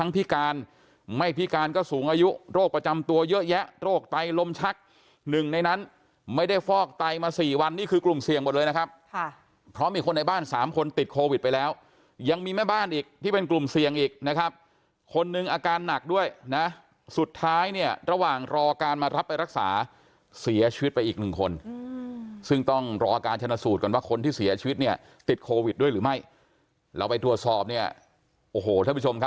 พิการก็สูงอายุโรคประจำตัวเยอะแยะโรคไตลมชักหนึ่งในนั้นไม่ได้ฟอกไตมา๔วันนี่คือกลุ่มเสี่ยงหมดเลยนะครับเพราะมีคนในบ้าน๓คนติดโควิดไปแล้วยังมีแม่บ้านอีกที่เป็นกลุ่มเสี่ยงอีกนะครับคนนึงอาการหนักด้วยนะสุดท้ายเนี่ยระหว่างรอการมารับไปรักษาเสียชีวิตไปอีกหนึ่งคนซึ่งต้องรอการชนสูตรกั